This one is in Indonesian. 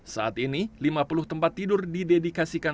saat ini lima puluh tempat tidur didedikasikan